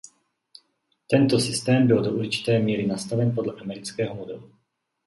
Tento systém byl do určité míry nastaven podle amerického modelu.